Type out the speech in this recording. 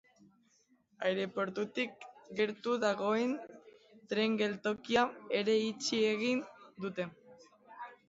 Aireportutik gertu dagoen tren-geltokia ere itxi egin dute.